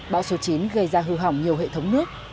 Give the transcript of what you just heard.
bão số chín gây ra hư hỏng nhiều hệ thống nước